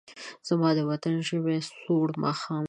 زما د وطن د ژمې سوړ ماښام